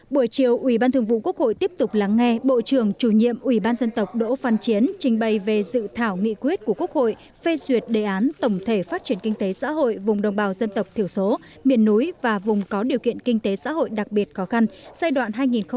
buổi chiều ủy ban thường vụ quốc hội tiếp tục lắng nghe bộ trưởng chủ nhiệm ủy ban dân tộc đỗ phan chiến trình bày về dự thảo nghị quyết của quốc hội phê duyệt đề án tổng thể phát triển kinh tế xã hội vùng đồng bào dân tộc thiểu số miền núi và vùng có điều kiện kinh tế xã hội đặc biệt khó khăn giai đoạn hai nghìn hai mươi một hai nghìn ba mươi